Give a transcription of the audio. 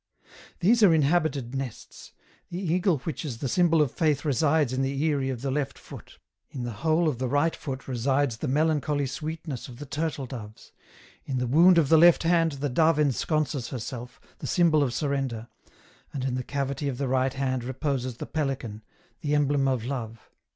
" These are inhabited nests ; the eagle which is the symbol of Faith resides in the eyrie of the left foot ; in the hole of the right foot resides the melancholy sweetness of the turtle doves ; in the wound of the left hand the dove ensconces herself, the symbol of surrender, and in the cavity of the right hand reposes the pelican, the emblem of love.